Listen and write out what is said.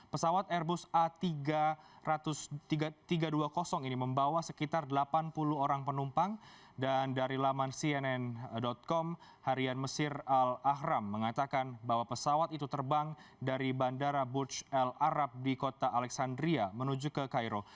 pesawat airbus a tiga ratus tiga ratus dua puluh ini membawa sekitar delapan puluh orang penumpang dan dari laman cnn com harian mesir al ahram mengatakan bahwa pesawat itu terbang dari bandara budj al arab di kota alexandria menuju ke cairo